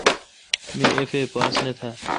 می اف اے پاس نہ تھال۔